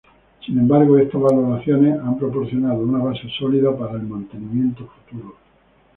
Sin embargo, estas valoraciones han proporcionado una base sólida para el mantenimiento futuro.